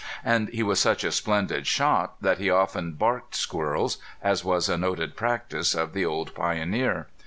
And he was such a splendid shot that he had often "barked" squirrels, as was a noted practice of the old pioneer.